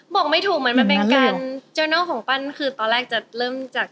บอกไม่ถูกเหมือนมันเป็นการเจ้านอกของปั้นคือตอนแรกจะเริ่มจาก